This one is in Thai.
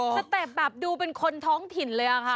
สเต็ปแบบดูเป็นคนท้องถิ่นเลยอะค่ะ